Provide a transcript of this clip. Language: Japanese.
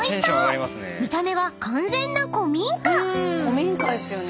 ［見た目は完全な古民家］